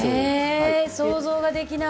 想像ができない！